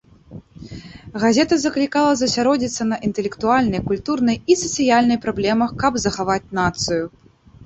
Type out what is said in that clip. Газета заклікала засяродзіцца на інтэлектуальнай, культурнай і сацыяльнай праблемах каб захаваць нацыю.